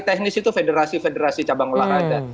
teknis itu federasi federasi cabang olahraga